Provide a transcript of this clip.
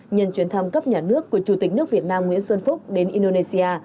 nhân chuyến thăm cấp nhà nước của chủ tịch nước việt nam nguyễn xuân phúc đến indonesia